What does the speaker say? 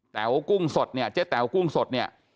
แววกุ้งสดเนี่ยเจ๊แต๋วกุ้งสดเนี่ย